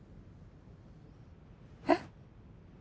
えっ？